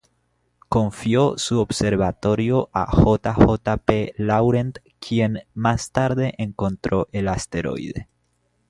Confió su observatorio a J. J. P. Laurent, quien más tarde encontró el asteroide.